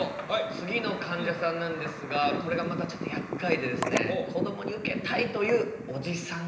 次のかんじゃさんなんですがこれがまたちょっとやっかいでこどもにウケたいというおじさん